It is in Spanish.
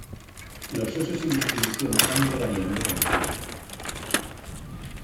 Los usos y distribuciones han ido variando con el tiempo.